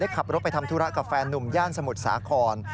ขับรถไปทำธุระกับแฟนนุ่มย่านสมุทรสาคร